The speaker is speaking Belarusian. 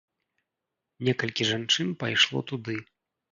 Некалькі жанчын пайшло туды.